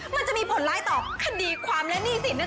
มันจะมีผลร้ายต่อคดีความและหนี้สิน